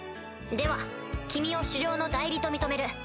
では君を首領の代理と認める。